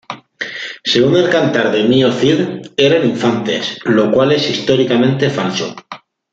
Según el "Cantar de mio Cid", eran "infantes", lo cual es históricamente falso.